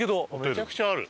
めちゃくちゃある。